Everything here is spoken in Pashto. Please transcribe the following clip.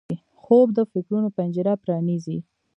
خوب د فکرونو پنجره پرانیزي